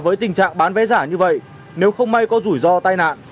với tình trạng bán vé giả như vậy nếu không may có rủi ro tai nạn